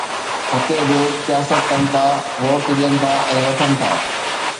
هتي به سياست ڪن ٿا، ووٽ ڏين ٿا ۽ وٺن ٿا